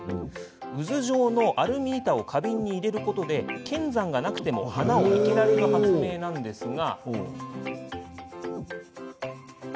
渦状のアルミ板を花瓶に入れることで剣山がなくても花を生けられる発明ですが。